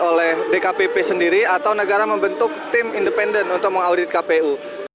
oleh dkpp sendiri atau negara membentuk tim independen untuk mengaudit kpu